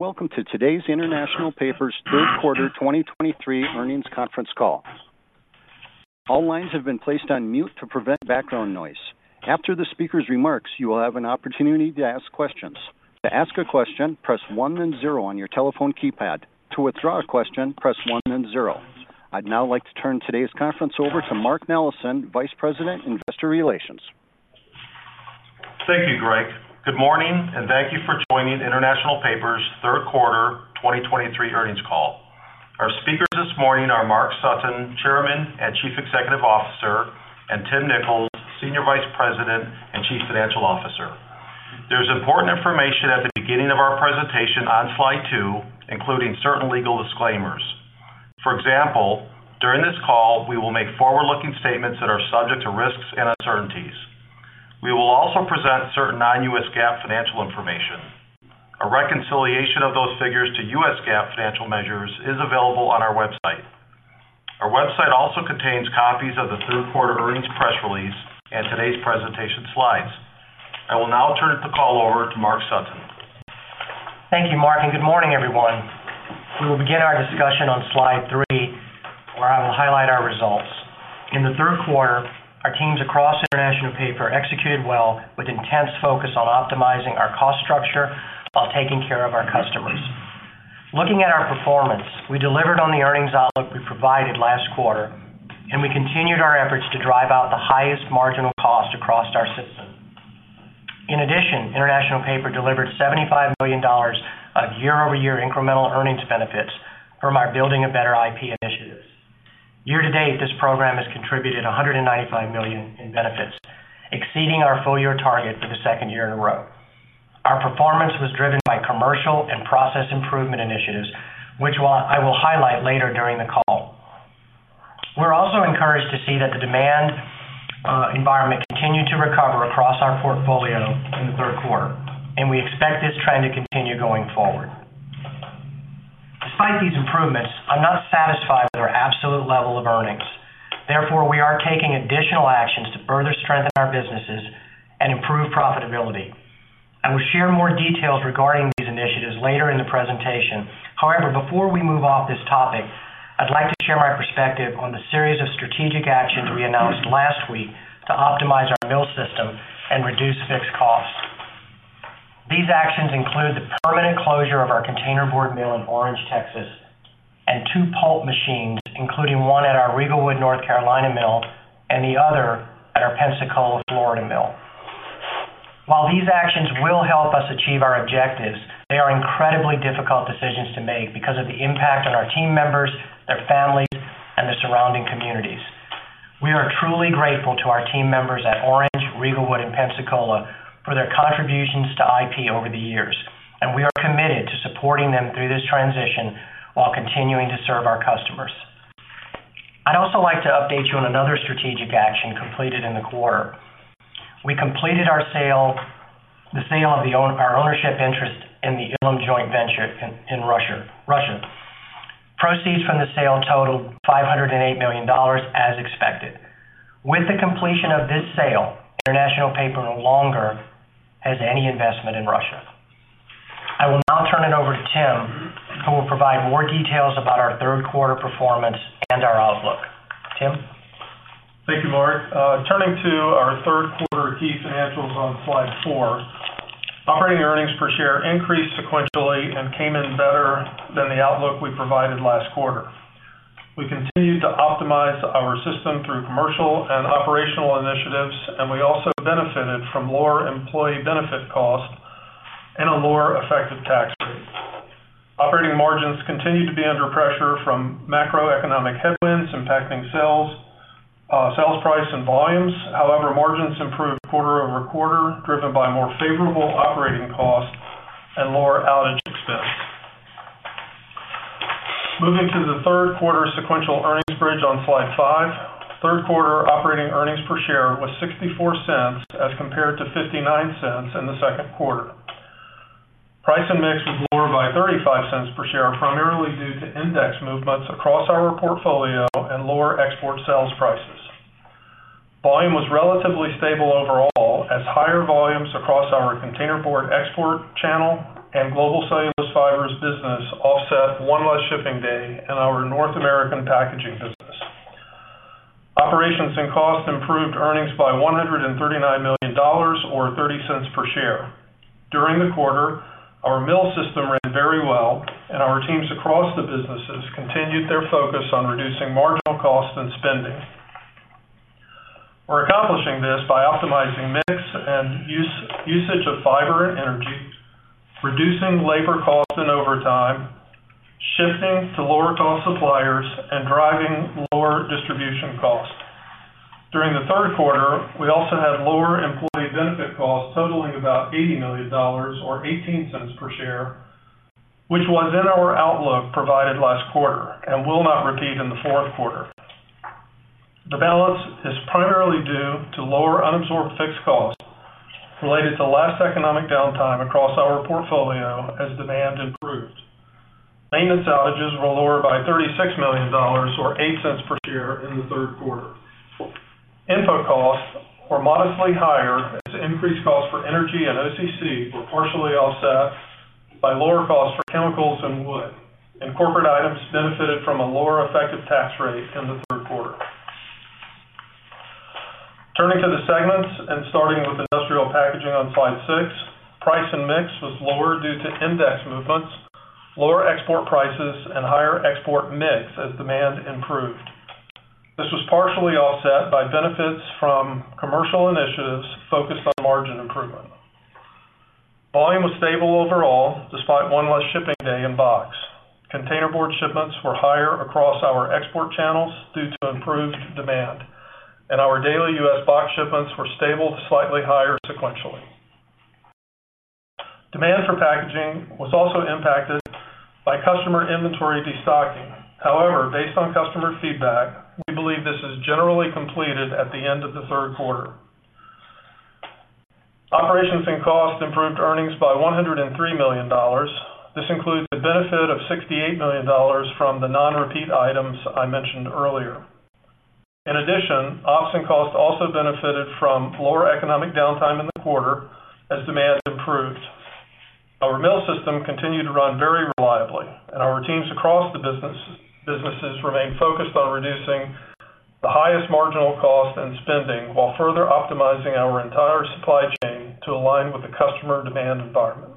Welcome to today's International Paper's third quarter 2023 earnings conference call. All lines have been placed on mute to prevent background noise. After the speaker's remarks, you will have an opportunity to ask questions. To ask a question, press one, then zero on your telephone keypad. To withdraw a question, press one, then zero. I'd now like to turn today's conference over to Mark Nellessen, Vice President, Investor Relations. Thank you, Greg. Good morning, and thank you for joining International Paper's third quarter 2023 earnings call. Our speakers this morning are Mark Sutton, Chairman and Chief Executive Officer, and Tim Nicholls, Senior Vice President and Chief Financial Officer. There's important information at the beginning of our presentation on slide two, including certain legal disclaimers. For example, during this call, we will make forward-looking statements that are subject to risks and uncertainties. We will also present certain non-GAAP financial information. A reconciliation of those figures to GAAP financial measures is available on our website. Our website also contains copies of the third quarter earnings press release and today's presentation slides. I will now turn the call over to Mark Sutton. Thank you, Mark, and good morning, everyone. We will begin our discussion on slide three, where I will highlight our results. In the third quarter, our teams across International Paper executed well with intense focus on optimizing our cost structure while taking care of our customers. Looking at our performance, we delivered on the earnings outlook we provided last quarter, and we continued our efforts to drive out the highest marginal cost across our system. In addition, International Paper delivered $75 million of year-over-year incremental earnings benefits from our Building a Better IP initiatives. year-to-date, this program has contributed $195 million in benefits, exceeding our full year target for the second year in a row. Our performance was driven by commercial and process improvement initiatives, which I will highlight later during the call. We're also encouraged to see that the demand environment continued to recover across our portfolio in the third quarter, and we expect this trend to continue going forward. Despite these improvements, I'm not satisfied with our absolute level of earnings. Therefore, we are taking additional actions to further strengthen our businesses and improve profitability. I will share more details regarding these initiatives later in the presentation. However, before we move off this topic, I'd like to share my perspective on the series of strategic actions we announced last week to optimize our mill system and reduce fixed costs. These actions include the permanent closure of our containerboard mill in Orange, Texas, and two pulp machines, including one at our Riegelwood, North Carolina mill and the other at our Pensacola, Florida mill. While these actions will help us achieve our objectives, they are incredibly difficult decisions to make because of the impact on our team members, their families, and the surrounding communities. We are truly grateful to our team members at Orange, Riegelwood, and Pensacola for their contributions to IP over the years, and we are committed to supporting them through this transition while continuing to serve our customers. I'd also like to update you on another strategic action completed in the quarter. We completed the sale of our ownership interest in the Ilim joint venture in Russia. Proceeds from the sale totaled $508 million, as expected. With the completion of this sale, International Paper no longer has any investment in Russia. I will now turn it over to Tim, who will provide more details about our third quarter performance and our outlook. Tim? Thank you, Mark. Turning to our third quarter key financials on slide four. Operating earnings per share increased sequentially and came in better than the outlook we provided last quarter. We continued to optimize our system through commercial and operational initiatives, and we also benefited from lower employee benefit costs and a lower effective tax rate. Operating margins continued to be under pressure from macroeconomic headwinds, impacting sales, sales price, and volumes. However, margins improved quarter-over-quarter, driven by more favorable operating costs and lower outage expense. Moving to the third quarter sequential earnings bridge on slide five. Third quarter operating earnings per share was $0.64, as compared to $0.59 in the second quarter. Price and mix was lower by $0.35 per share, primarily due to index movements across our portfolio and lower export sales prices. Volume was relatively stable overall, as higher volumes across our containerboard export channel and Global Cellulose Fibers business offset one less shipping day in our North American packaging business. Operations and costs improved earnings by $139 million or $0.30 per share. During the quarter, our mill system ran very well, and our teams across the businesses continued their focus on reducing marginal costs and spending. We're accomplishing this by optimizing mix and usage of fiber and energy, reducing labor costs and overtime, shifting to lower cost suppliers, and driving lower distribution costs. During the third quarter, we also had lower employee benefit costs, totaling about $80 million or $0.18 per share, which was in our outlook provided last quarter and will not repeat in the fourth quarter. The balance is primarily due to lower unabsorbed fixed costs related to last economic downtime across our portfolio as demand improved. Maintenance outages were lower by $36 million, or $0.08 per share in the third quarter. Input costs were modestly higher as increased costs for energy and OCC were partially offset by lower costs for chemicals and wood, and corporate items benefited from a lower effective tax rate in the third quarter. Turning to the segments and starting with Industrial Packaging on Slide six, price and mix was lower due to index movements, lower export prices, and higher export mix as demand improved. This was partially offset by benefits from commercial initiatives focused on margin improvement. Volume was stable overall, despite one less shipping day in box. Containerboard shipments were higher across our export channels due to improved demand, and our daily U.S. box shipments were stable to slightly higher sequentially. Demand for packaging was also impacted by customer inventory destocking. However, based on customer feedback, we believe this is generally completed at the end of the third quarter. Operations and costs improved earnings by $103 million. This includes a benefit of $68 million from the non-repeat items I mentioned earlier. In addition, ops and costs also benefited from lower economic downtime in the quarter as demand improved. Our mill system continued to run very reliably, and our teams across the business remain focused on reducing the highest marginal cost and spending while further optimizing our entire supply chain to align with the customer demand environment.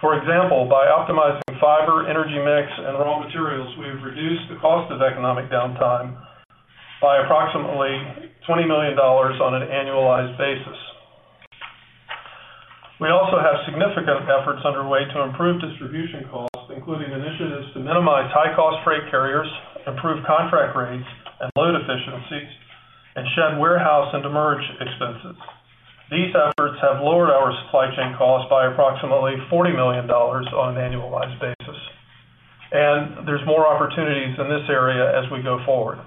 For example, by optimizing fiber, energy mix, and raw materials, we've reduced the cost of economic downtime by approximately $20 million on an annualized basis. We also have significant efforts underway to improve distribution costs, including initiatives to minimize high-cost freight carriers, improve contract rates and load efficiencies, and shed warehouse and demurrage expenses. These efforts have lowered our supply chain costs by approximately $40 million on an annualized basis, and there's more opportunities in this area as we go forward.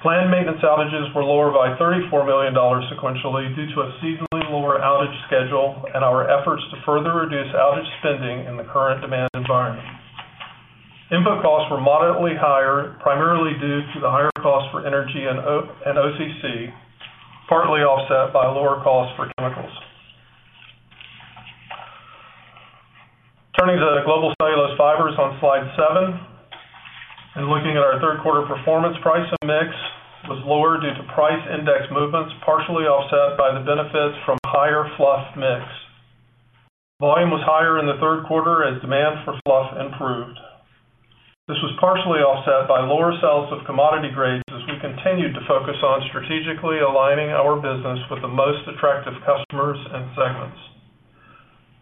Planned maintenance outages were lower by $34 million sequentially due to a seasonally lower outage schedule and our efforts to further reduce outage spending in the current demand environment. Input costs were moderately higher, primarily due to the higher cost for energy and OCC, partly offset by lower costs for chemicals. Turning to the Global Cellulose Fibers on Slide seven, and looking at our third quarter performance, price and mix was lower due to price index movements, partially offset by the benefits from higher fluff mix. Volume was higher in the third quarter as demand for fluff improved. This was partially offset by lower sales of commodity grades as we continued to focus on strategically aligning our business with the most attractive customers and segments.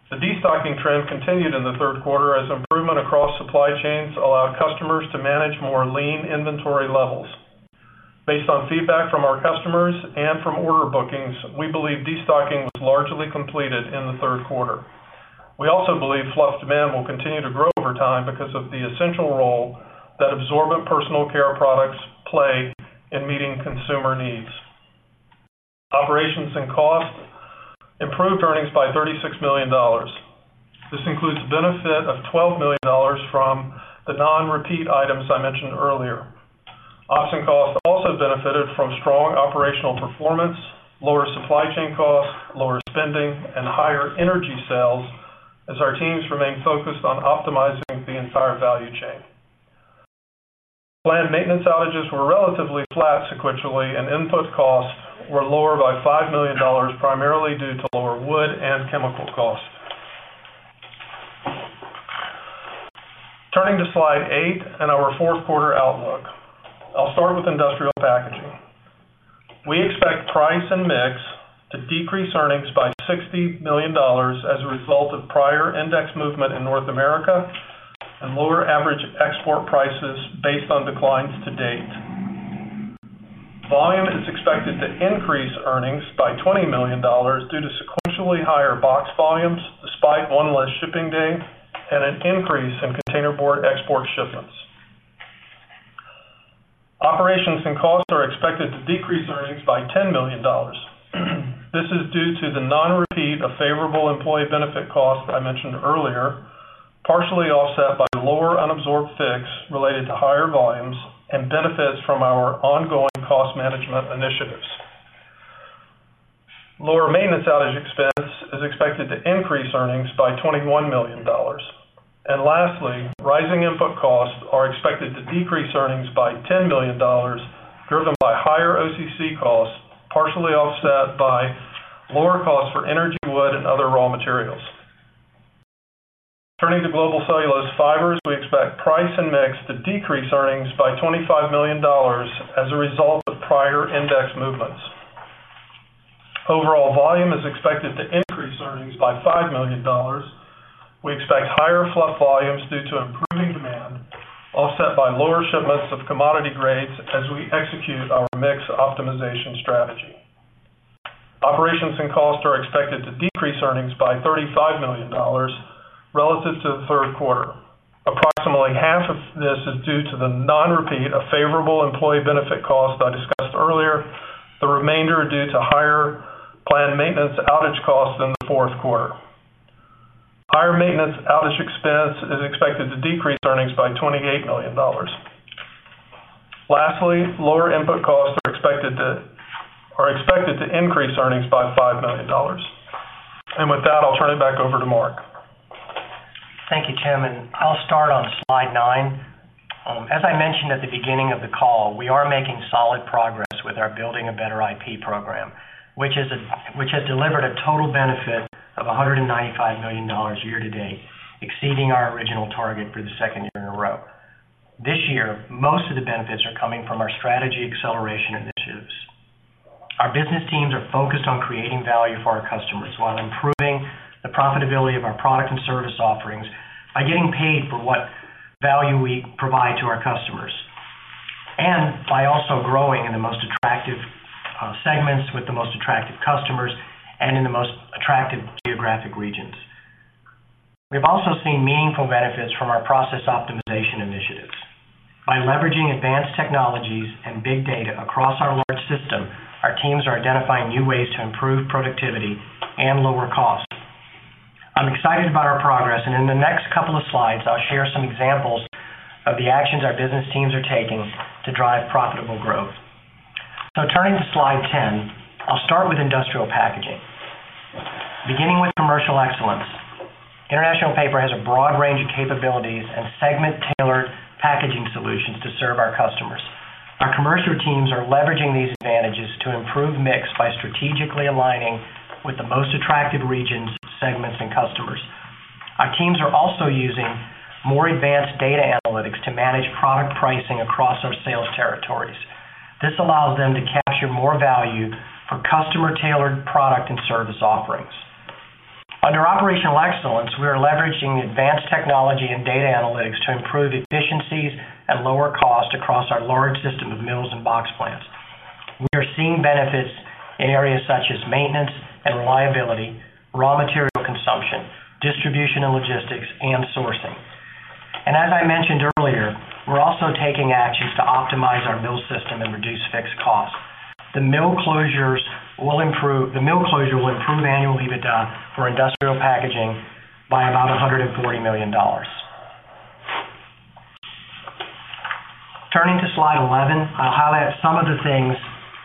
The destocking trend continued in the third quarter as improvement across supply chains allowed customers to manage more lean inventory levels. Based on feedback from our customers and from order bookings, we believe destocking was largely completed in the third quarter. We also believe fluff demand will continue to grow over time because of the essential role that absorbent personal care products play in meeting consumer needs. Operations and costs improved earnings by $36 million. This includes a benefit of $12 million from the non-repeat items I mentioned earlier. Ops and costs also benefited from strong operational performance, lower supply chain costs, lower spending, and higher energy sales as our teams remain focused on optimizing the entire value chain. Planned maintenance outages were relatively flat sequentially, and input costs were lower by $5 million, primarily due to lower wood and chemical costs. Turning to Slide eight and our fourth quarter outlook. I'll start with Industrial Packaging. We expect price and mix to decrease earnings by $60 million as a result of prior index movement in North America and lower average export prices based on declines to date. Volume is expected to increase earnings by $20 million due to sequentially higher box volumes, despite one less shipping day and an increase in containerboard export shipments. Operations and costs are expected to decrease earnings by $10 million. This is due to the non-repeat of favorable employee benefit costs I mentioned earlier, partially offset by lower unabsorbed fixed related to higher volumes and benefits from our ongoing cost management initiatives. Lower maintenance outage expense is expected to increase earnings by $21 million. And lastly, rising input costs are expected to decrease earnings by $10 million, driven by higher OCC costs, partially offset by lower costs for energy, wood, and other raw materials. Turning to Global Cellulose Fibers, we expect price and mix to decrease earnings by $25 million as a result of prior index movements. Overall volume is expected to increase earnings by $5 million. We expect higher fluff volumes due to improving demand, offset by lower shipments of commodity grades as we execute our mix optimization strategy. Operations and costs are expected to decrease earnings by $35 million relative to the third quarter. This is due to the non-repeat of favorable employee benefit costs I discussed earlier. The remainder are due to higher planned maintenance outage costs in the fourth quarter. Higher maintenance outage expense is expected to decrease earnings by $28 million. Lastly, lower input costs are expected to increase earnings by $5 million. And with that, I'll turn it back over to Mark. Thank you, Tim, and I'll start on slide nine. As I mentioned at the beginning of the call, we are making solid progress with our Building a Better IP program, which has delivered a total benefit of $195 million year-to-date, exceeding our original target for the second year in a row. This year, most of the benefits are coming from our strategy acceleration initiatives. Our business teams are focused on creating value for our customers while improving the profitability of our product and service offerings by getting paid for what value we provide to our customers, and by also growing in the most attractive segments with the most attractive customers and in the most attractive geographic regions. We've also seen meaningful benefits from our process optimization initiatives. By leveraging advanced technologies and big data across our large system, our teams are identifying new ways to improve productivity and lower costs. I'm excited about our progress, and in the next couple of slides, I'll share some examples of the actions our business teams are taking to drive profitable growth. Turning to slide 10, I'll start with industrial packaging. Beginning with commercial excellence, International Paper has a broad range of capabilities and segment-tailored packaging solutions to serve our customers. Our commercial teams are leveraging these advantages to improve mix by strategically aligning with the most attractive regions, segments, and customers. Our teams are also using more advanced data analytics to manage product pricing across our sales territories. This allows them to capture more value for customer-tailored product and service offerings. Under operational excellence, we are leveraging advanced technology and data analytics to improve efficiencies and lower costs across our large system of mills and box plants. We are seeing benefits in areas such as maintenance and reliability, raw material consumption, distribution and logistics, and sourcing. And as I mentioned earlier, we're also taking actions to optimize our mill system and reduce fixed costs. The mill closure will improve annual EBITDA for industrial packaging by about $140 million. Turning to slide 11, I'll highlight some of the things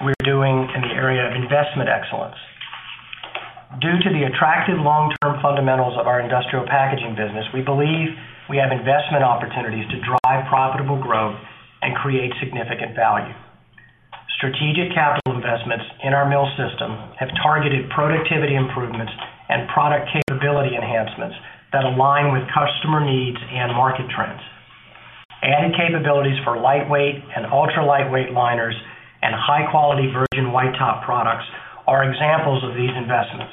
we're doing in the area of investment excellence. Due to the attractive long-term fundamentals of our industrial packaging business, we believe we have investment opportunities to drive profitable growth and create significant value. Strategic capital investments in our mill system have targeted productivity improvements and product capability enhancements that align with customer needs and market trends. Adding capabilities for lightweight and ultra-lightweight liners and high-quality virgin White Top products are examples of these investments.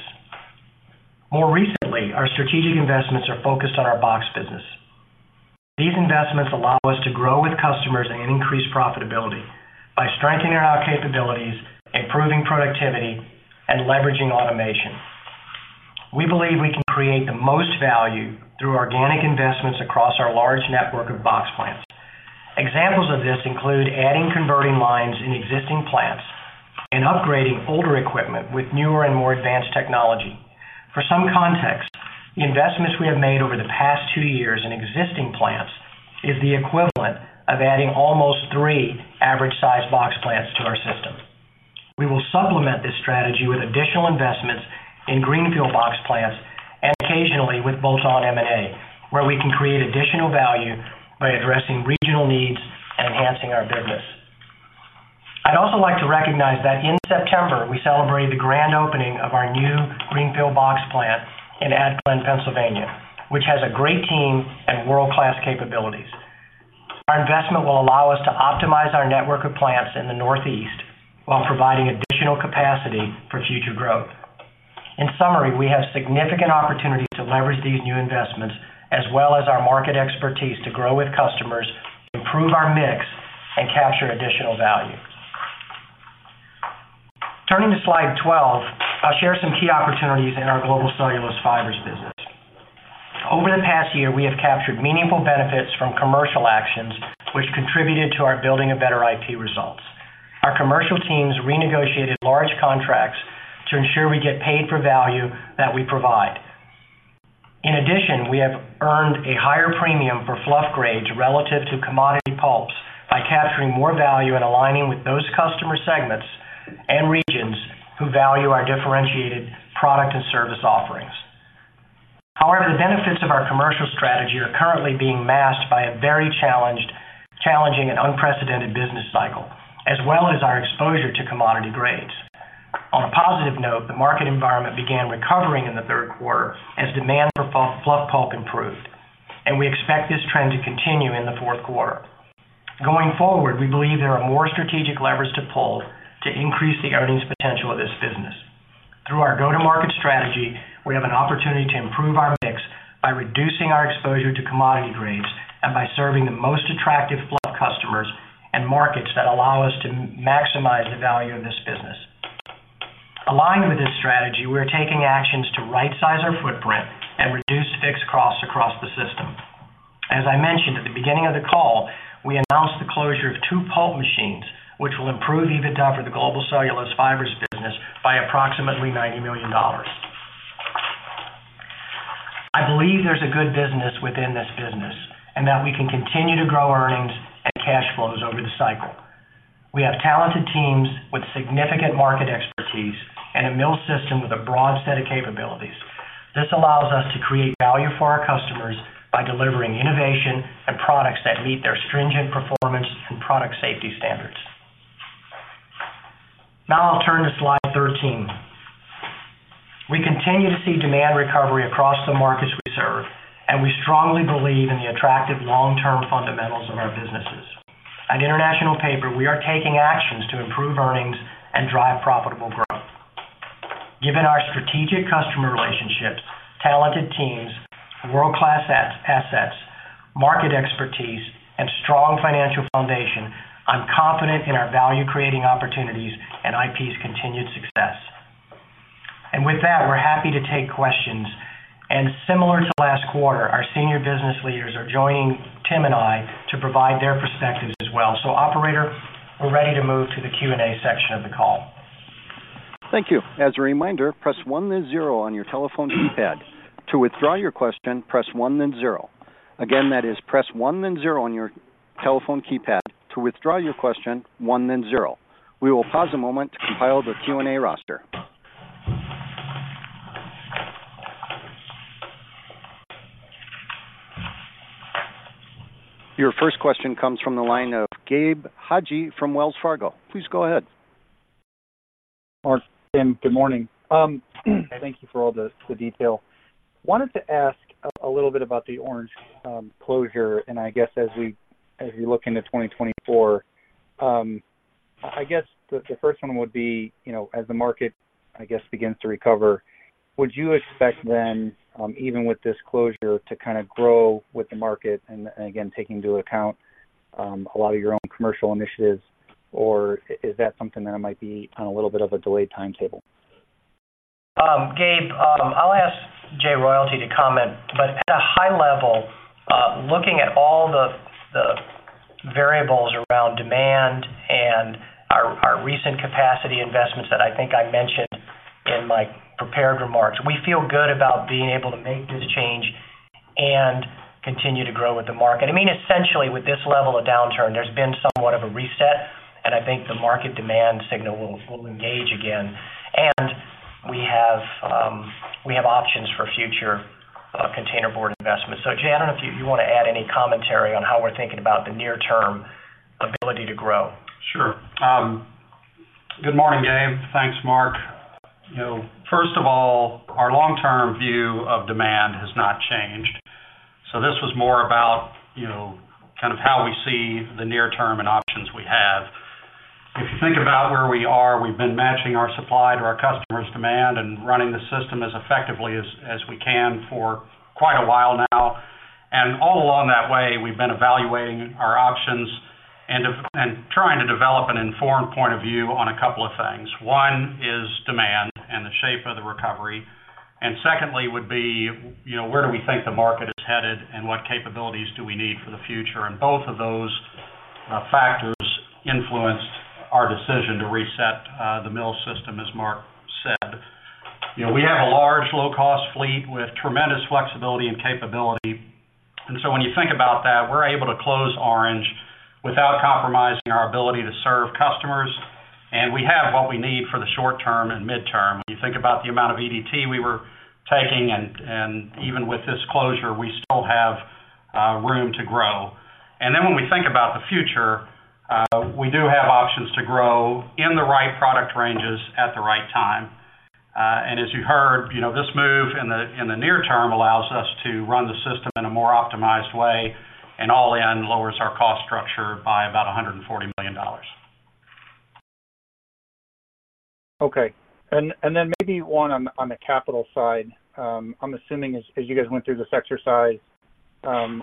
More recently, our strategic investments are focused on our box business. These investments allow us to grow with customers and increase profitability by strengthening our capabilities, improving productivity, and leveraging automation. We believe we can create the most value through organic investments across our large network of box plants. Examples of this include adding converting lines in existing plants and upgrading older equipment with newer and more advanced technology. For some context, the investments we have made over the past two years in existing plants is the equivalent of adding almost three average-sized box plants to our system. We will supplement this strategy with additional investments in greenfield box plants and occasionally with bolt-on M&A, where we can create additional value by addressing regional needs and enhancing our business. I'd also like to recognize that in September, we celebrated the grand opening of our new greenfield box plant in Atglen, Pennsylvania, which has a great team and world-class capabilities. Our investment will allow us to optimize our network of plants in the Northeast while providing additional capacity for future growth. In summary, we have significant opportunity to leverage these new investments, as well as our market expertise, to grow with customers, improve our mix, and capture additional value. Turning to slide 12, I'll share some key opportunities in our Global Cellulose Fibers business. Over the past year, we have captured meaningful benefits from commercial actions, which contributed to our Building a Better IP results. Our commercial teams renegotiated large contracts to ensure we get paid for value that we provide. In addition, we have earned a higher premium for fluff grades relative to commodity pulps by capturing more value and aligning with those customer segments and regions who value our differentiated product and service offerings. However, the benefits of our commercial strategy are currently being masked by a very challenged, challenging and unprecedented business cycle, as well as our exposure to commodity grades. On a positive note, the market environment began recovering in the third quarter as demand for Fluff Pulp improved, and we expect this trend to continue in the fourth quarter. Going forward, we believe there are more strategic levers to pull to increase the earnings potential of this business. Through our go-to-market strategy, we have an opportunity to improve our mix by reducing our exposure to commodity grades and by serving the most attractive fluff customers and markets that allow us to maximize the value of this business. Aligned with this strategy, we are taking actions to right size our footprint and reduce fixed costs across the system. As I mentioned at the beginning of the call, we announced the closure of two pulp machines, which will improve EBITDA for the Global Cellulose Fibers business by approximately $90 million. I believe there's a good business within this business, and that we can continue to grow earnings and cash flows over the cycle. We have talented teams with significant market expertise and a mill system with a broad set of capabilities. This allows us to create value for our customers by delivering innovation and products that meet their stringent performance and product safety standards. Now I'll turn to slide 13. We continue to see demand recovery across the markets we serve, and we strongly believe in the attractive long-term fundamentals of our businesses. At International Paper, we are taking actions to improve earnings and drive profitable growth. Given our strategic customer relationships, talented teams, world-class assets, market expertise, and strong financial foundation, I'm confident in our value-creating opportunities and IP's continued success. And with that, we're happy to take questions, and similar to last quarter, our senior business leaders are joining Tim and I to provide their perspectives as well. So Operator, we're ready to move to the Q&A section of the call. Thank you. As a reminder, press one then zero on your telephone keypad. To withdraw your question, press one, then zero. Again, that is, press one, then zero on your telephone keypad. To withdraw your question, one then zero. We will pause a moment to compile the Q&A roster. Your first question comes from the line of Gabe Hajde from Wells Fargo. Please go ahead. Mark, Tim, good morning. Thank you for all the detail. Wanted to ask a little bit about the Orange closure, and I guess as we look into 2024, I guess the first one would be, you know, as the market, I guess, begins to recover, would you expect then, even with this closure, to kinda grow with the market and, and again, taking into account, a lot of your own commercial initiatives? Or is that something that might be on a little bit of a delayed timetable? Gabe, I'll ask Jay Royalty to comment, but at a high level, looking at all the variables around demand and our recent capacity investments that I think I mentioned in my prepared remarks, we feel good about being able to make this change and continue to grow with the market. I mean, essentially, with this level of downturn, there's been somewhat of a reset, and I think the market demand signal will engage again. And we have options for future containerboard investments. So, Jay, I don't know if you want to add any commentary on how we're thinking about the near-term ability to grow? Sure. Good morning, Gabe. Thanks, Mark. You know, first of all, our long-term view of demand has not changed, so this was more about, you know, kind of how we see the near term and options we have. If you think about where we are, we've been matching our supply to our customers' demand and running the system as effectively as we can for quite a while now. And all along that way, we've been evaluating our options and trying to develop an informed point of view on a couple of things. One is demand and the shape of the recovery, and secondly, would be, you know, where do we think the market is headed, and what capabilities do we need for the future? And both of those factors influenced our decision to reset the mill system, as Mark said. You know, we have a large, low-cost fleet with tremendous flexibility and capability, and so when you think about that, we're able to close Orange without compromising our ability to serve customers, and we have what we need for the short term and midterm. When you think about the amount of EDT we were taking, and even with this closure, we still have room to grow. Then when we think about the future, we do have options to grow in the right product ranges at the right time. And as you heard, you know, this move in the near term allows us to run the system in a more optimized way, and all in, lowers our cost structure by about $140 million. Okay. And then maybe one on the capital side. I'm assuming as you guys went through this exercise,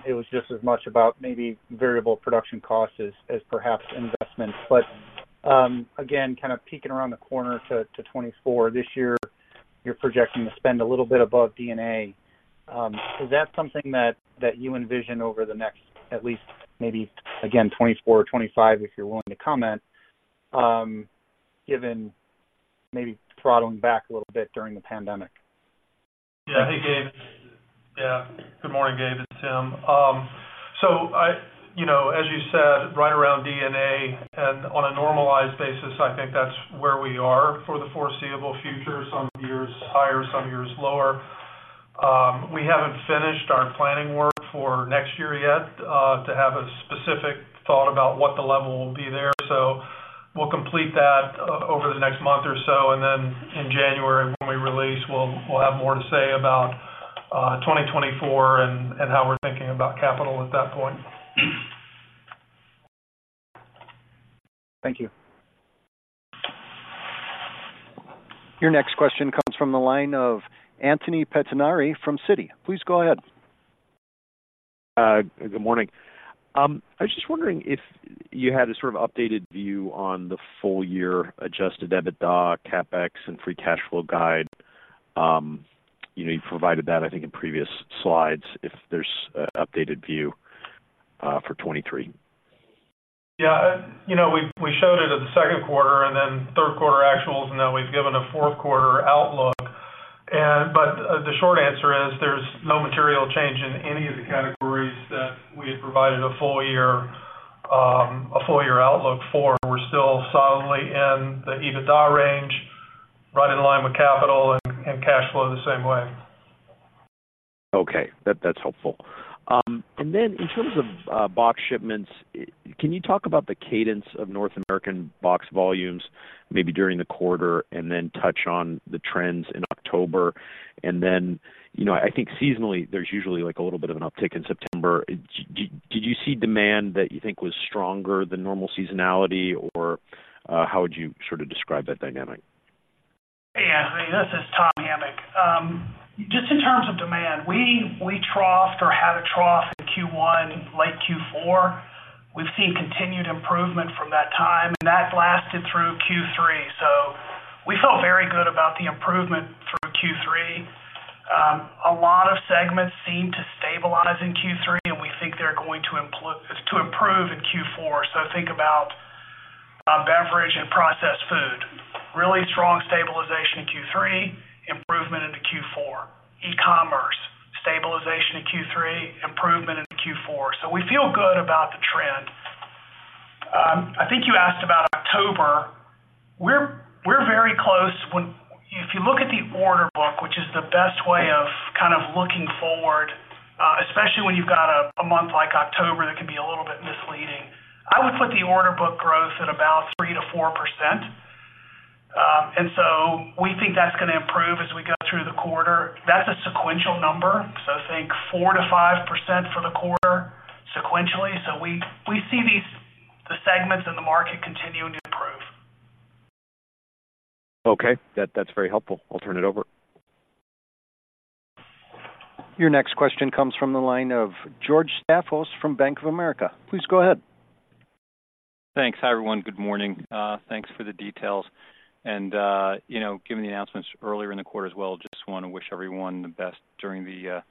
it was just as much about maybe variable production costs as perhaps investments. But again, kind of peeking around the corner to 2024, this year, you're projecting to spend a little bit above D&A. Is that something that you envision over the next, at least maybe again, 2024 or 2025, if you're willing to comment, given maybe throttling back a little bit during the pandemic? Yeah. Hey, Gabe. Yeah. Good morning, Gabe, it's Tim. So, you know, as you said, right around D&A, and on a normalized basis, I think that's where we are for the foreseeable future. Some years higher, some years lower. We haven't finished our planning work for next year yet to have a specific thought about what the level will be there. So we'll complete that over the next month or so, and then in January, when we release, we'll have more to say about 2024 and how we're thinking about capital at that point. Thank you. Your next question comes from the line of Anthony Pettinari from Citi. Please go ahead. Good morning. I was just wondering if you had a sort of updated view on the full year adjusted EBITDA, CapEx, and free cash flow guide. You know, you provided that, I think, in previous slides, if there's an updated view, for 2023. Yeah. You know, we showed it at the second quarter, and then third quarter actuals, and now we've given a fourth quarter outlook. But the short answer is there's no material change in any of the categories that we had provided a full year, a full year outlook for. We're still solidly in the EBITDA range, right in line with capital and cash flow the same way. Okay, that's helpful. And then in terms of box shipments, can you talk about the cadence of North American box volumes, maybe during the quarter, and then touch on the trends in October? And then, you know, I think seasonally, there's usually, like, a little bit of an uptick in September. Did you see demand that you think was stronger than normal seasonality, or how would you sort of describe that dynamic? Hey, Anthony, this is Tom Hamic. Just in terms of demand, we troughed or had a trough in Q1, late Q4. We've seen continued improvement from that time, and that lasted through Q3, so we felt very good about the improvement through Q3. A lot of segments seemed to stabilize in Q3, and we think they're going to improve in Q4. So think about beverage and processed food. Really strong stabilization in Q3, improvement into Q4. Ecommerce, stabilization in Q3, improvement into Q4. So we feel good about the trend. I think you asked about October. We're very close if you look at the order book, which is the best way of kind of looking forward, especially when you've got a month like October, that can be a little bit misleading. I would put the order book growth at about 3%-4%. And so we think that's gonna improve as we go through the quarter. That's a sequential number, so think 4%-5% for the quarter sequentially. So we see the segments in the market continuing to improve. Okay, that, that's very helpful. I'll turn it over. Your next question comes from the line of George Staphos from Bank of America. Please go ahead. Thanks. Hi, everyone. Good morning. Thanks for the details. And, you know, given the announcements earlier in the quarter as well, just want to wish everyone the best during the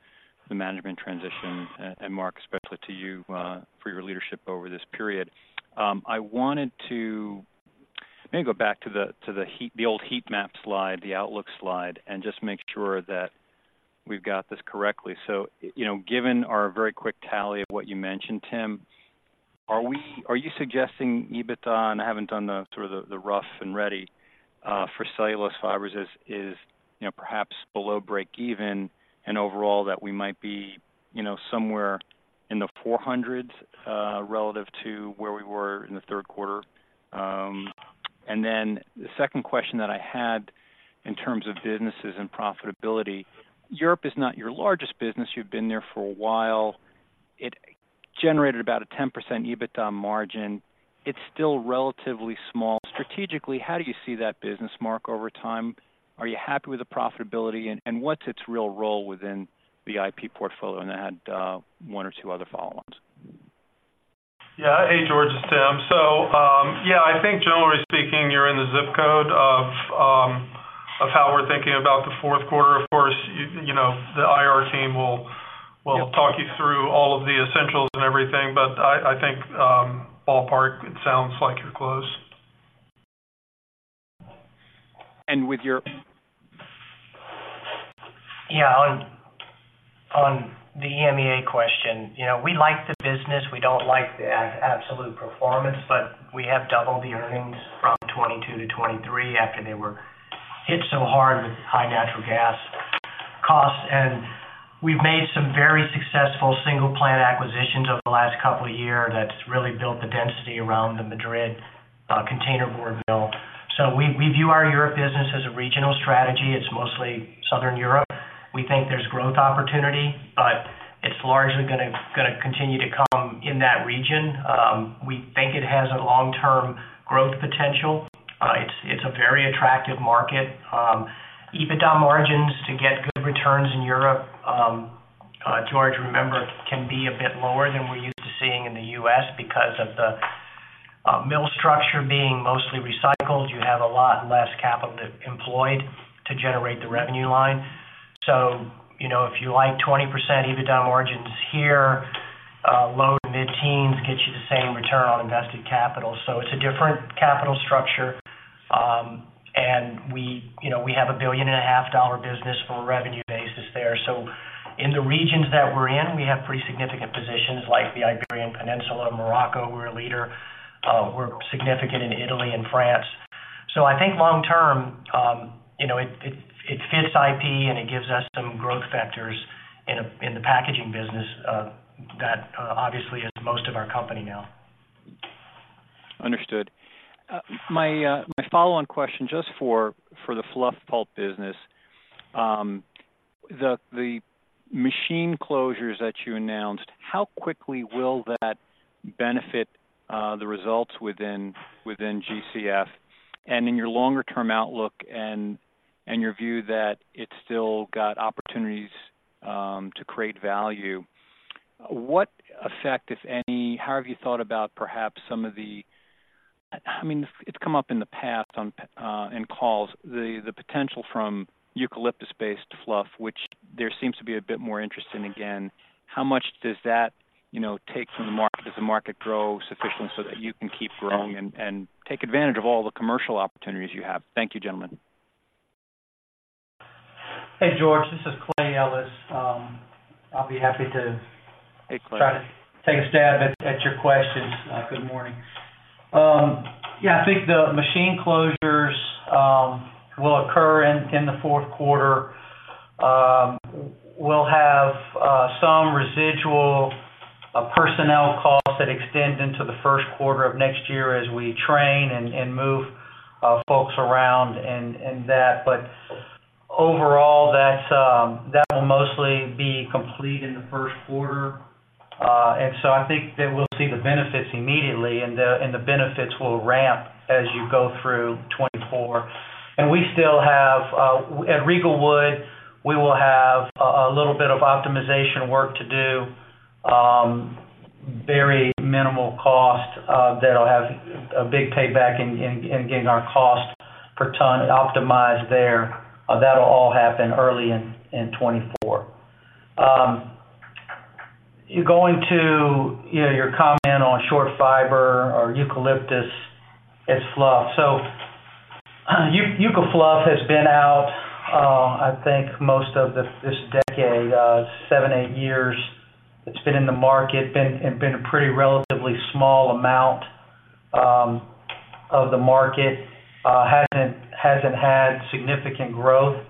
management transition, and Mark, especially to you, for your leadership over this period. I wanted to maybe go back to the old heat map slide, the outlook slide, and just make sure that we've got this correctly. So, you know, given our very quick tally of what you mentioned, Tim, are you suggesting EBITDA, and I haven't done the sort of the rough and ready for cellulose fibers is, you know, perhaps below break even and overall that we might be, you know, somewhere in the four hundreds, relative to where we were in the third quarter? and then the second question that I had in terms of businesses and profitability, Europe is not your largest business. You've been there for a while. It generated about a 10% EBITDA margin. It's still relatively small. Strategically, how do you see that business, Mark, over time? Are you happy with the profitability, and, and what's its real role within the IP portfolio? And I had, one or two other follow-ups. Yeah. Hey, George, it's Tim. So yeah, I think generally speaking, you're in the zip code of how we're thinking about the fourth quarter. Of course, you know, the IR team will talk you through all of the essentials and everything, but I think, ballpark, it sounds like you're close. And with your. Yeah, on the EMEA question, you know, we like the business. We don't like the absolute performance, but we have doubled the earnings from 2022 to 2023 after they were hit so hard with high natural gas costs. And we've made some very successful single plant acquisitions over the last couple of years that's really built the density around the Madrid containerboard mill. So we view our Europe business as a regional strategy. It's mostly Southern Europe. We think there's growth opportunity, but it's largely gonna continue to come in that region. We think it has a long-term growth potential. It's a very attractive market. EBITDA margins to get good returns in Europe, George, remember, can be a bit lower than we're used to seeing in the U.S. because of the mill structure being mostly recycled. You have a lot less capital employed to generate the revenue line. So, you know, if you like 20% EBITDA margins here, low to mid-teens gets you the same return on invested capital. So it's a different capital structure, and we, you know, we have a $1.5 billion business from a revenue basis there. So in the regions that we're in, we have pretty significant positions, like the Iberian Peninsula, Morocco, we're a leader. We're significant in Italy and France. So I think long term, you know, it fits IP, and it gives us some growth factors in the packaging business, that obviously is most of our company now. Understood. My follow-on question, just for the Fluff Pulp business. The machine closures that you announced, how quickly will that benefit the results within GCF? And in your longer-term outlook and your view that it's still got opportunities to create value, what effect, if any, how have you thought about perhaps some of the, I mean, it's come up in the past in calls, the potential from eucalyptus-based fluff, which there seems to be a bit more interest in, again. How much does that, you know, take from the market? Does the market grow sufficiently so that you can keep growing and take advantage of all the commercial opportunities you have? Thank you, gentlemen. Hey, George, this is Clay Ellis. I'll be happy to. Hey, Clay. Try to take a stab at your questions. Good morning. Yeah, I think the machine closures will occur in the fourth quarter. We'll have some residual personnel costs that extend into the first quarter of next year as we train and move folks around and that. But overall, that will mostly be complete in the first quarter. And so I think that we'll see the benefits immediately, and the benefits will ramp as you go through 2024. And we still have at Riegelwood, we will have a little bit of optimization work to do. Very minimal cost, that'll have a big payback in getting our cost per ton optimized there. That'll all happen early in 2024. Going to, you know, your comment on short fiber or eucalyptus as fluff. So Eucafluff has been out, I think most of this decade, seven, eight years it's been in the market, and been a pretty relatively small amount of the market. Hasn't had significant growth.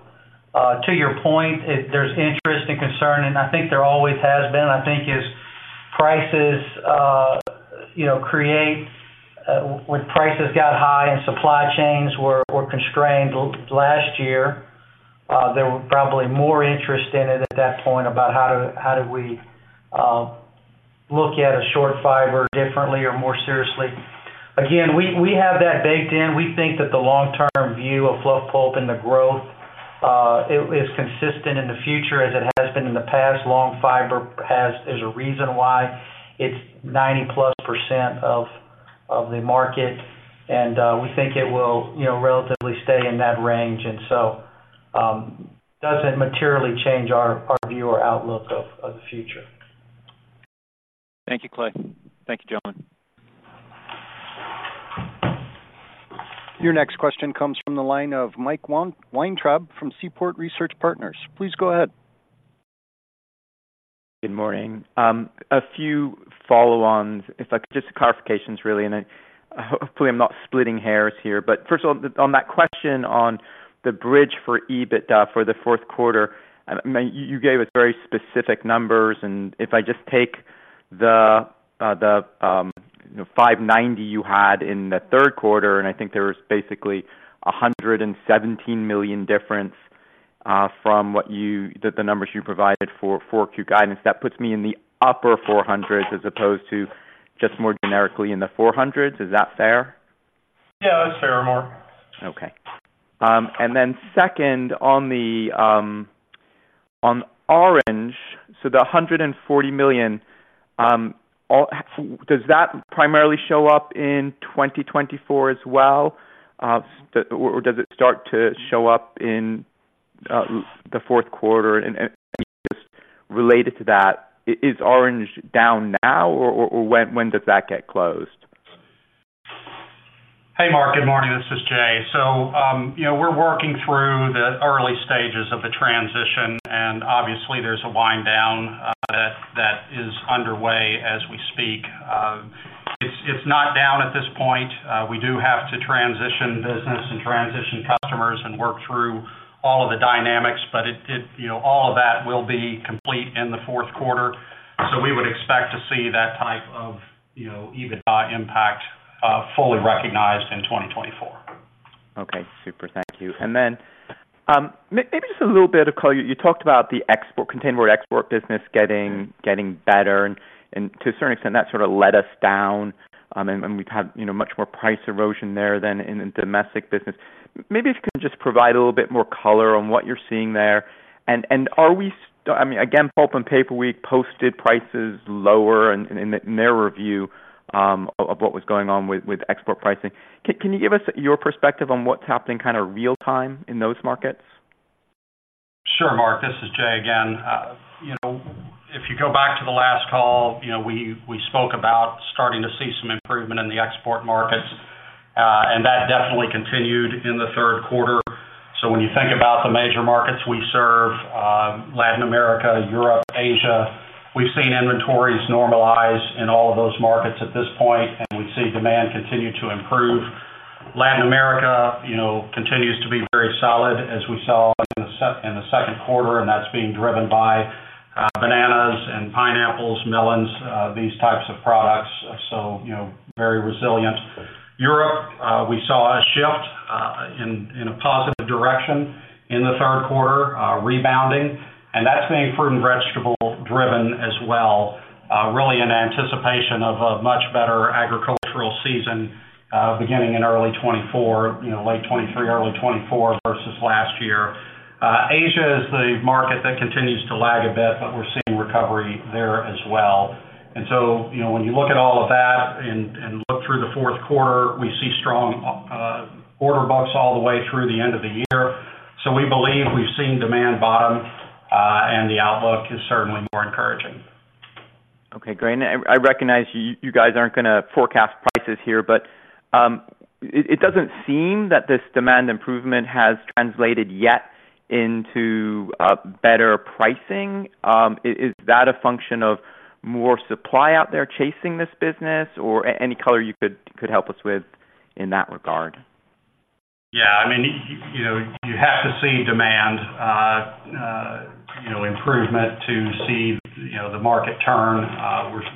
To your point, there's interest and concern, and I think there always has been. I think as prices, you know, create, when prices got high and supply chains were constrained last year, there were probably more interest in it at that point about how do we look at a short fiber differently or more seriously. Again, we have that baked in. We think that the long-term view of Fluff Pulp and the growth, it is consistent in the future as it has been in the past. Long fiber has. There's a reason why it's 90+% of the market, and we think it will, you know, relatively stay in that range, and so, doesn't materially change our view or outlook of the future. Thank you, Clay. Thank you, gentlemen. Your next question comes from the line of Mark Weintraub from Seaport Research Partners. Please go ahead. Good morning. A few follow-ons. It's like just clarifications, really, and then hopefully I'm not splitting hairs here. But first of all, on that question on the bridge for EBITDA for the fourth quarter, you gave us very specific numbers, and if I just take the you know, $590 million you had in the third quarter, and I think there was basically a $117 million difference from the numbers you provided for 4Q guidance, that puts me in the upper four hundreds, as opposed to just more generically in the four hundreds. Is that fair? Yeah, that's fair, Mark. Okay. And then second, on the, on Orange, so the $140 million, does that primarily show up in 2024 as well? Or does it start to show up in the fourth quarter? And just related to that, is Orange down now, or when does that get closed? Hey, Mark. Good morning. This is Jay. So, you know, we're working through the early stages of the transition, and obviously, there's a wind down that is underway as we speak. It's not down at this point. We do have to transition business and transition customers and work through all of the dynamics, but it, you know, all of that will be complete in the fourth quarter. So we would expect to see that type of, you know, EBITDA impact fully recognized in 2024. Okay, super. Thank you. And then, maybe just a little bit of color. You talked about the export container business getting better, and to a certain extent, that sort of let us down. And we've had, you know, much more price erosion there than in the domestic business. Maybe if you can just provide a little bit more color on what you're seeing there. And are we, I mean, again, Pulp and Paper, we've posted prices lower in their review of what was going on with export pricing. Can you give us your perspective on what's happening kind of real time in those markets? Sure, Mark. This is Jay again. You know, if you go back to the last call, you know, we spoke about starting to see some improvement in the export markets, and that definitely continued in the third quarter. So when you think about the major markets we serve, Latin America, Europe, Asia, we've seen inventories normalize in all of those markets at this point, and we see demand continue to improve. Latin America, you know, continues to be very solid, as we saw in the second quarter, and that's being driven by bananas and pineapples, melons, these types of products. So, you know, very resilient. Europe, we saw a shift in a positive direction in the third quarter, rebounding, and that's being fruit and vegetable-driven as well, really in anticipation of a much better agricultural season, beginning in early 2024, you know, late 2023, early 2024, versus last year. Asia is the market that continues to lag a bit, but we're seeing recovery there as well. And so, you know, when you look at all of that and look through the fourth quarter, we see strong order books all the way through the end of the year. So we believe we've seen demand bottom, and the outlook is certainly more encouraging. Okay, great. And I recognize you, you guys aren't gonna forecast prices here, but it doesn't seem that this demand improvement has translated yet into better pricing. Is that a function of more supply out there chasing this business, or any color you could help us with in that regard? Yeah, I mean, you know, you have to see demand improvement to see the market turn.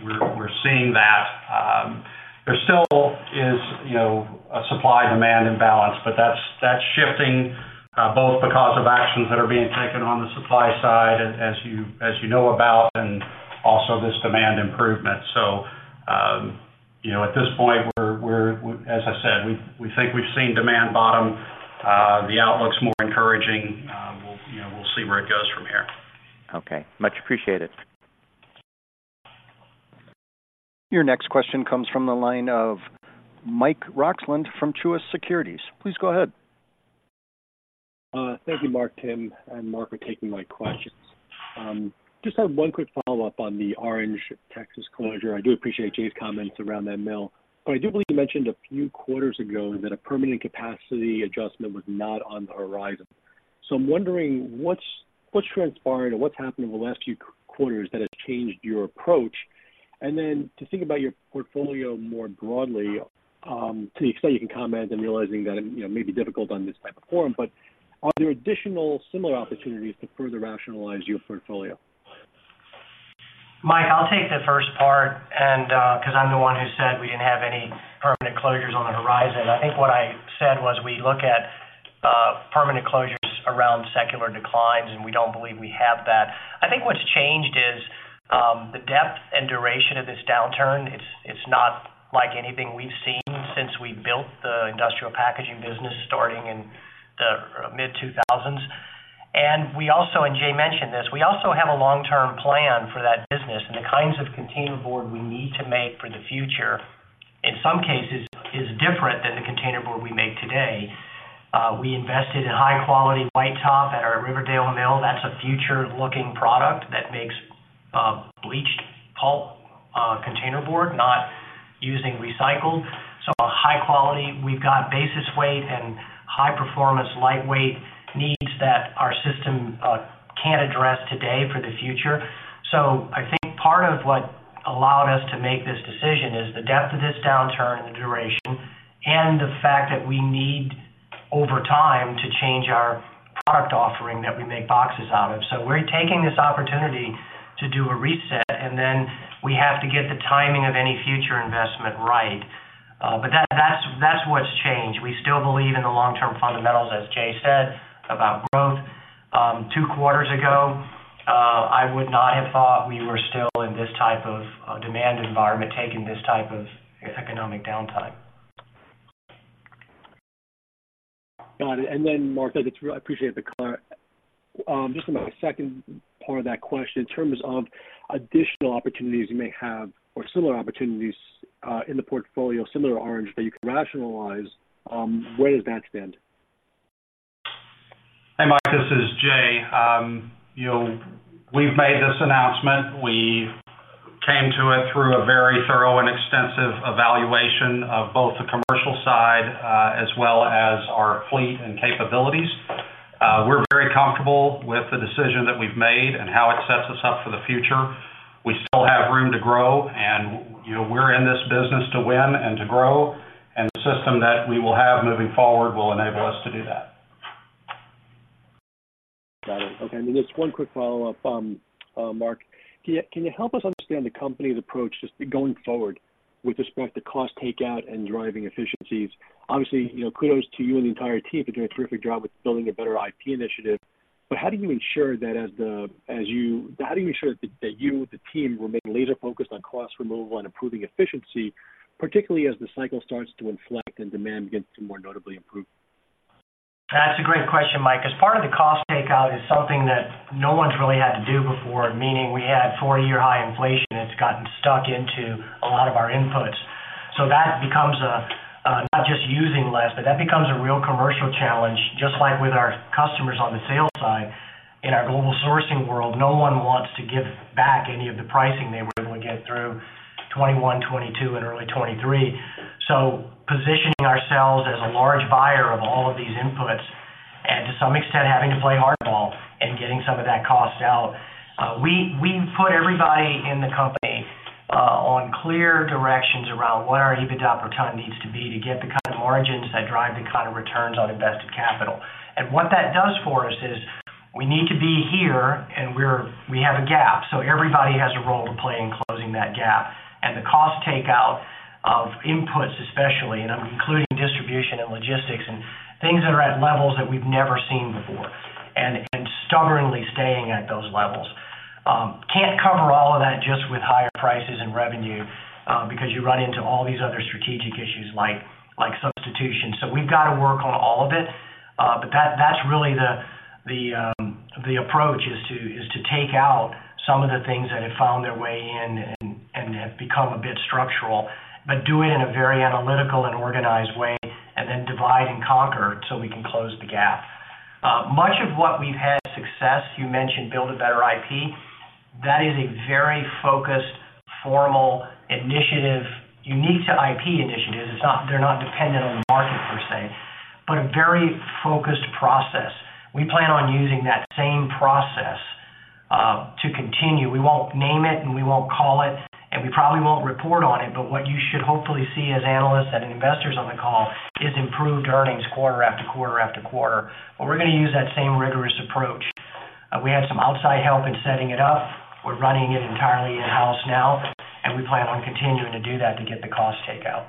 We're seeing that. There still is, you know, a supply-demand imbalance, but that's shifting both because of actions that are being taken on the supply side, as you know about, and also this demand improvement. So, you know, at this point, as I said, we think we've seen demand bottom. The outlook's more encouraging. We'll, you know, we'll see where it goes from here. Okay. Much appreciated. Your next question comes from the line of Mike Roxland from Truist Securities. Please go ahead. Thank you, Mark, Tim, and Mark, for taking my questions. Just have one quick follow-up on the Orange, Texas closure. I do appreciate Jay's comments around that mill, but I do believe you mentioned a few quarters ago that a permanent capacity adjustment was not on the horizon. So I'm wondering what's transpired or what's happened in the last few quarters that has changed your approach? And then, to think about your portfolio more broadly, to the extent you can comment and realizing that, you know, it may be difficult on this type of forum, but are there additional similar opportunities to further rationalize your portfolio? Mike, I'll take the first part, and 'cause I'm the one who said we didn't have any permanent closures on the horizon. I think what I said was, we look at permanent closures around secular declines, and we don't believe we have that. I think what's changed is the depth and duration of this downturn. It's not like anything we've seen since we built the industrial packaging business, starting in the mid-2000s. And Jay mentioned this, we also have a long-term plan for that business, and the kinds of containerboard we need to make for the future, in some cases, is different than the containerboard we make today. We invested in high-quality white top at our Riverdale mill. That's a future-looking product that makes bleached pulp containerboard, not using recycled. So a high quality. We've got basis weight and high-performance, lightweight needs that our system can address today for the future. So I think part of what allowed us to make this decision is the depth of this downturn and the duration, and the fact that we need, over time, to change our product offering that we make boxes out of. So we're taking this opportunity to do a reset, and then we have to get the timing of any future investment right. But that's what's changed. We still believe in the long-term fundamentals, as Jay said, about growth. Two quarters ago, I would not have thought we were still in this type of demand environment, taking this type of economic downtime. Got it. Mark, I appreciate the clarity. Just on my second part of that question, in terms of additional opportunities you may have or similar opportunities in the portfolio, similar to Orange, that you can rationalize, where does that stand? Hey, Mike, this is Jay. You know, we've made this announcement. We came to it through a very thorough and extensive evaluation of both the commercial side, as well as our fleet and capabilities. We're very comfortable with the decision that we've made and how it sets us up for the future. We still have room to grow, and, you know, we're in this business to win and to grow, and the system that we will have moving forward will enable us to do that. Got it. Okay, and just one quick follow-up, Mark. Can you help us understand the company's approach just going forward with respect to cost takeout and driving efficiencies? Obviously, you know, kudos to you and the entire team for doing a terrific job with Building a Better IP initiative. But how do you ensure that you, the team, remain laser-focused on cost removal and improving efficiency, particularly as the cycle starts to inflect and demand begins to more notably improve? That's a great question, Mike, because part of the cost takeout is something that no one's really had to do before, meaning we had four-year high inflation, that's gotten stuck into a lot of our inputs. So that becomes a not just using less, but that becomes a real commercial challenge. Just like with our customers on the sales side, in our global sourcing world, no one wants to give back any of the pricing they were able to get through 2021, 2022, and early 2023. So positioning ourselves as a large buyer of all of these inputs, and to some extent, having to play hardball and getting some of that cost out. We've put everybody in the company on clear directions around what our EBITDA per ton needs to be, to get the kind of margins that drive the kind of returns on invested capital. And what that does for us is, we need to be here, and we're, we have a gap, so everybody has a role to play in closing that gap. And the cost takeout of inputs, especially, and I'm including distribution and logistics and things that are at levels that we've never seen before, and stubbornly staying at those levels. Can't cover all of that just with higher prices and revenue, because you run into all these other strategic issues like substitution. So we've got to work on all of it. But that's really the approach, is to take out some of the things that have found their way in and have become a bit structural, but do it in a very analytical and organized way, and then divide and conquer so we can close the gap. Much of what we've had success, you mentioned Building a Better IP. That is a very focused, formal initiative, unique to IP initiatives. They're not dependent on the market per se, but a very focused process. We plan on using that same process to continue. We won't name it, and we won't call it, and we probably won't report on it, but what you should hopefully see as analysts and investors on the call is improved earnings quarter- after-quarter-after-quarter. But we're gonna use that same rigorous approach. We had some outside help in setting it up. We're running it entirely in-house now, and we plan on continuing to do that to get the cost takeout.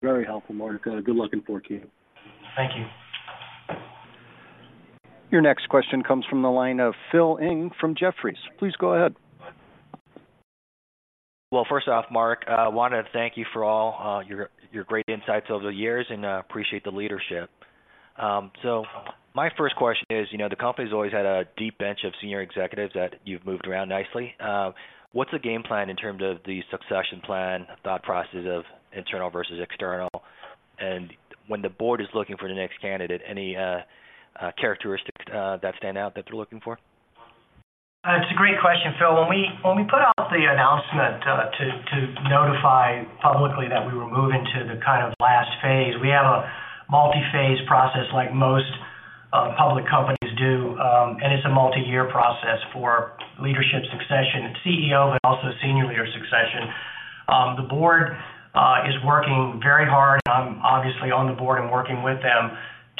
Very helpful, Mark. Good luck in 4Q. Thank you. Your next question comes from the line of Phil Ng from Jefferies. Please go ahead. Well, first off, Mark, I wanted to thank you for all, your great insights over the years, and, appreciate the leadership. So my first question is, you know, the company's always had a deep bench of senior executives that you've moved around nicely. What's the game plan in terms of the succession plan, thought processes of internal versus external? And when the board is looking for the next candidate, any, characteristics, that stand out that they're looking for? That's a great question, Phil. When we put out the announcement to notify publicly that we were moving to the kind of last phase, we have a multi-phase process like most public companies do, and it's a multiyear process for leadership succession, CEO, but also senior leader succession. The board is working very hard. I'm obviously on the board and working with them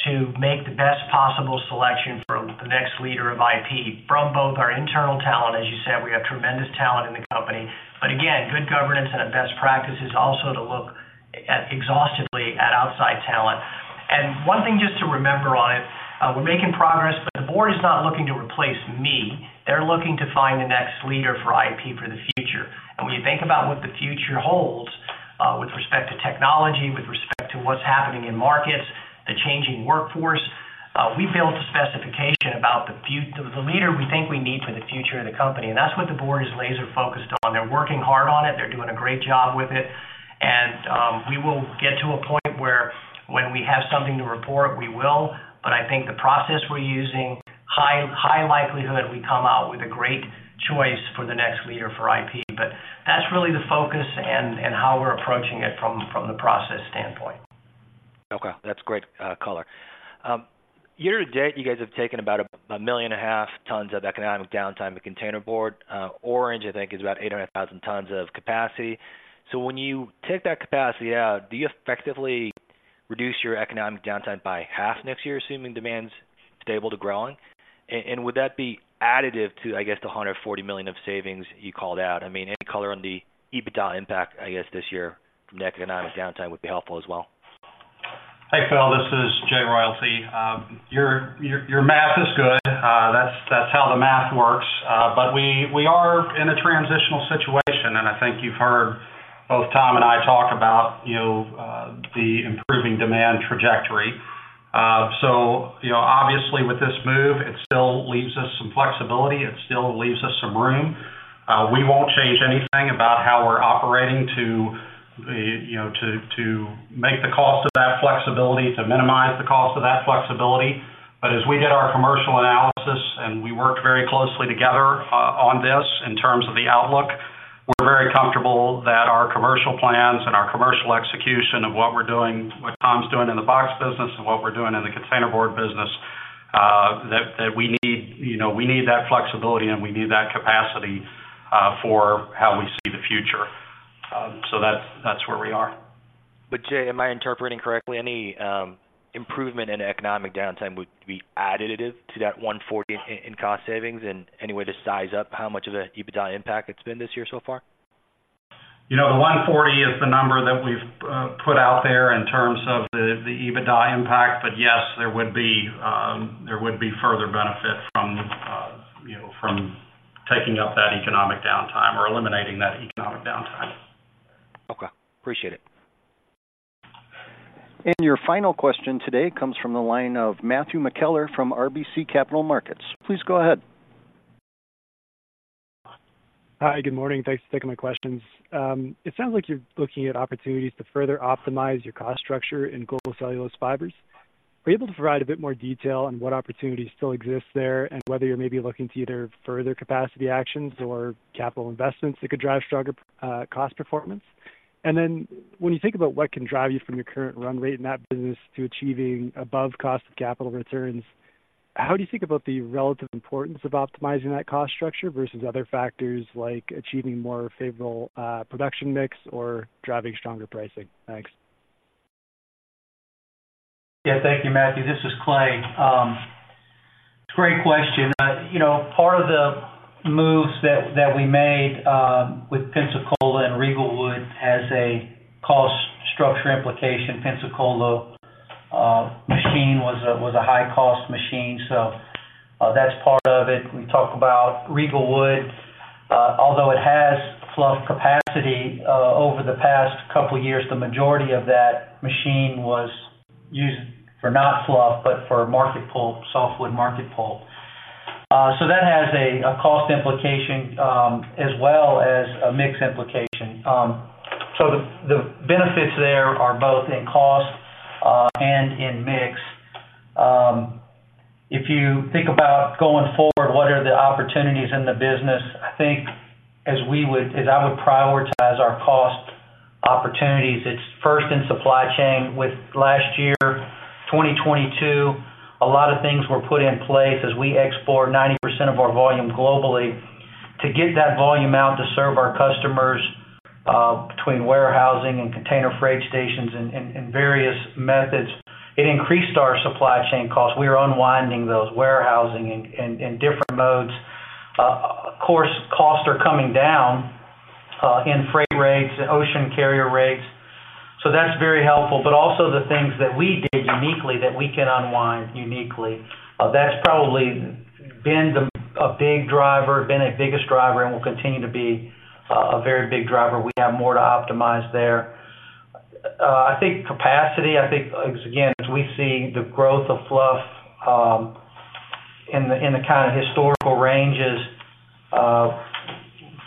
to make the best possible selection for the next leader of IP from both our internal talent, as you said, we have tremendous talent in the company, but again, good governance and a best practice is also to look at exhaustively at outside talent. And one thing just to remember on it, we're making progress, but the board is not looking to replace me. They're looking to find the next leader for IP for the future. And when you think about what the future holds, with respect to technology, with respect to what's happening in markets, the changing workforce, we built a specification about the leader we think we need for the future of the company, and that's what the board is laser-focused on. They're working hard on it. They're doing a great job with it, and we will get to a point where when we have something to report, we will. But I think the process we're using, high, high likelihood, we come out with a great choice for the next leader for IP. But that's really the focus and, and how we're approaching it from, from the process standpoint. Okay, that's great, color. year-to-date, you guys have taken about 1.5 million tons of economic downtime in containerboard. Orange, I think, is about 800,000 tons of capacity. So when you take that capacity out, do you effectively reduce your economic downtime by half next year, assuming demand's stable to growing? And would that be additive to, I guess, the $140 million of savings you called out? I mean, any color on the EBITDA impact, I guess, this year from the economic downtime would be helpful as well. Hey, Phil, this is Jay Royalty. Your math is good. That's how the math works. But we are in a transitional situation, and I think you've heard both Tom and I talk about, you know, the improving demand trajectory. So you know, obviously with this move, it still leaves us some flexibility, it still leaves us some room. We won't change anything about how we're operating to, you know, to make the cost of that flexibility, to minimize the cost of that flexibility. But as we did our commercial analysis and we worked very closely together, on this in terms of the outlook, we're very comfortable that our commercial plans and our commercial execution of what we're doing, what Tom's doing in the box business and what we're doing in the container board business, that, that we need, you know, we need that flexibility, and we need that capacity, for how we see the future. So that's, that's where we are. But, Jay, am I interpreting correctly, any improvement in economic downtime would be additive to that $140 million in cost savings? And any way to size up how much of the EBITDA impact it's been this year so far? You know, the $140 million is the number that we've put out there in terms of the EBITDA impact. But yes, there would be further benefit from, you know, from taking up that economic downtime or eliminating that economic downtime. Okay, appreciate it. Your final question today comes from the line of Matthew McKellar from RBC Capital Markets. Please go ahead. Hi, good morning. Thanks for taking my questions. It sounds like you're looking at opportunities to further optimize your cost structure in Global Cellulose Fibers. Are you able to provide a bit more detail on what opportunities still exist there, and whether you're maybe looking to either further capacity actions or capital investments that could drive stronger, cost performance? And then when you think about what can drive you from your current run rate in that business to achieving above cost of capital returns, how do you think about the relative importance of optimizing that cost structure versus other factors, like achieving more favorable, production mix or driving stronger pricing? Thanks. Yeah. Thank you, Matthew. This is Clay. Great question. You know, part of the moves that, that we made, with Pensacola and Riegelwood has a cost structure implication. Pensacola, machine was a, was a high-cost machine, so, that's part of it. We talk about Riegelwood. Although it has fluff capacity, over the past couple of years, the majority of that machine was used for not fluff, but for market pulp, softwood market pulp. So that has a, a cost implication, as well as a mix implication. So the, the benefits there are both in cost, and in mix. If you think about going forward, what are the opportunities in the business? I think as I would prioritize our cost opportunities, it's first in supply chain. With last year, 2022, a lot of things were put in place as we export 90% of our volume globally. To get that volume out to serve our customers, between warehousing and container freight stations and various methods, it increased our supply chain costs. We are unwinding those warehousing in different modes. Of course, costs are coming down in freight rates, ocean carrier rates, so that's very helpful. But also the things that we did uniquely that we can unwind uniquely, that's probably been a big driver, been our biggest driver, and will continue to be a very big driver. We have more to optimize there. I think capacity. I think, again, as we see the growth of fluff in the kind of historical ranges of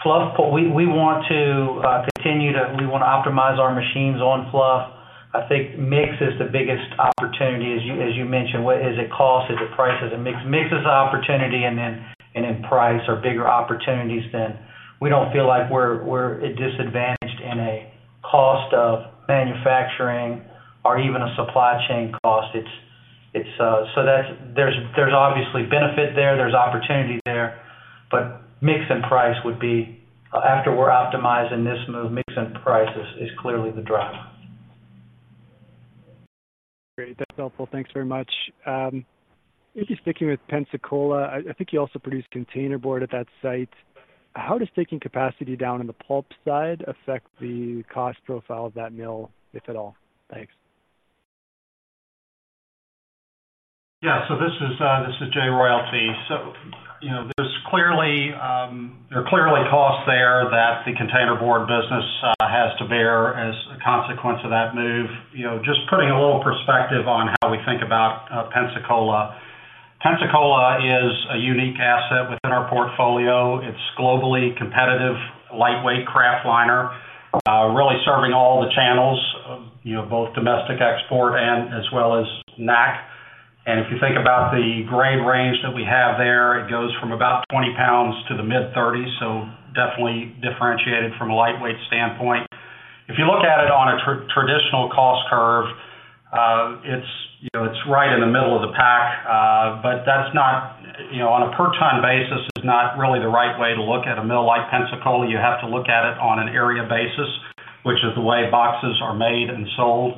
fluff, but we want to continue to. We want to optimize our machines on fluff. I think mix is the biggest opportunity, as you mentioned. Is it cost? Is it price? Is it mix? Mix is an opportunity, and then, and then price are bigger opportunities than. We don't feel like we're at a disadvantage in a cost of manufacturing or even a supply chain cost. It's, it's, so that's, there's obviously benefit there, there's opportunity there, but mix and price would be, after we're optimized in this move, mix and price is clearly the driver. Great. That's helpful. Thanks very much. If you're sticking with Pensacola, I think you also produced container board at that site. How does taking capacity down on the pulp side affect the cost profile of that mill, if at all? Thanks. Yeah, so this is, this is Jay Royalty. So you know, there's clearly, there are clearly costs there that the containerboard business has to bear as a consequence of that move. You know, just putting a little perspective on how we think about, Pensacola. Pensacola is a unique asset within our portfolio. It's globally competitive, lightweight kraft liner, really serving all the channels, you know, both domestic export and as well as NAC. And if you think about the grade range that we have there, it goes from about 20 pounds to the mid-30s, so definitely differentiated from a lightweight standpoint. If you look at it on a traditional cost curve, it's, you know, it's right in the middle of the pack, but that's not, you know, on a per ton basis, is not really the right way to look at a mill like Pensacola. You have to look at it on an area basis, which is the way boxes are made and sold.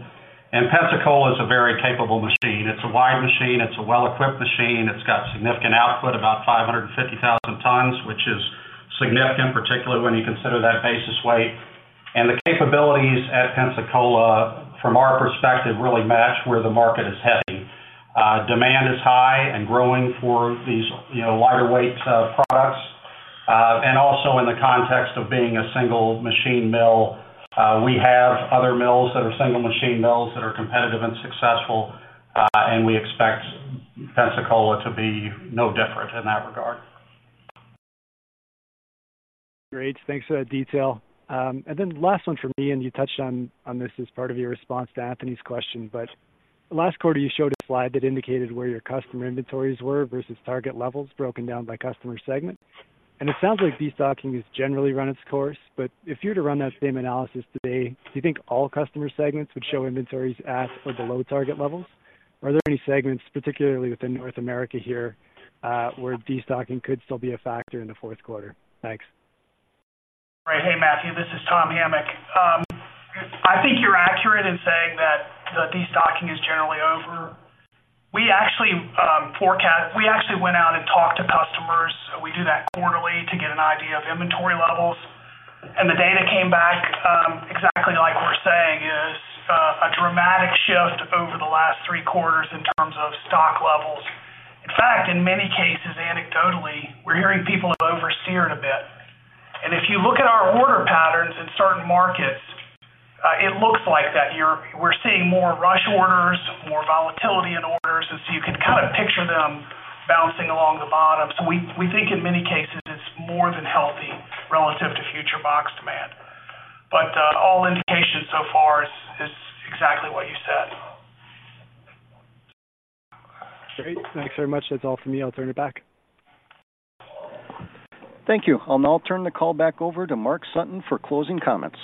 And Pensacola is a very capable machine. It's a wide machine. It's a well-equipped machine. It's got significant output, about 550,000 tons, which is significant, particularly when you consider that basis weight. And the capabilities at Pensacola, from our perspective, really match where the market is heading. Demand is high and growing for these, you know, lighter weight products. And also in the context of being a single-machine mill, we have other mills that are single-machine mills that are competitive and successful, and we expect Pensacola to be no different in that regard. Great. Thanks for that detail. And then last one from me, and you touched on, on this as part of your response to Anthony's question, but last quarter, you showed a slide that indicated where your customer inventories were versus target levels broken down by customer segment. And it sounds like destocking has generally run its course, but if you were to run that same analysis today, do you think all customer segments would show inventories at or below target levels? Are there any segments, particularly within North America here, where destocking could still be a factor in the fourth quarter? Thanks. Right. Hey, Matthew, this is Tom Hamic. I think you're accurate in saying that the destocking is generally over. We actually went out and talked to customers. We do that quarterly to get an idea of inventory levels, and the data came back exactly like we're saying, a dramatic shift over the last three quarters in terms of stock levels. In fact, in many cases, anecdotally, we're hearing people have overstocked a bit. And if you look at our order patterns in certain markets, it looks like we're seeing more rush orders, more volatility in orders, and so you can kind of picture them bouncing along the bottom. So we think in many cases, it's more than healthy relative to future box demand. But all indications so far is exactly what you said. Great. Thanks very much. That's all for me. I'll turn it back. Thank you. I'll now turn the call back over to Mark Sutton for closing comments.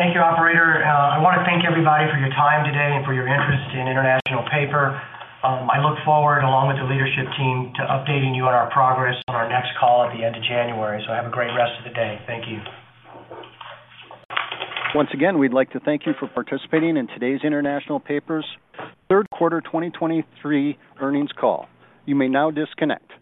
Thank you, Operator. I want to thank everybody for your time today and for your interest in International Paper. I look forward, along with the leadership team, to updating you on our progress on our next call at the end of January. So have a great rest of the day. Thank you. Once again, we'd like to thank you for participating in today's International Paper's third quarter 2023 earnings call. You may now disconnect.